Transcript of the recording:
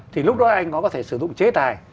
thì lúc đó anh có thể sử dụng chế tài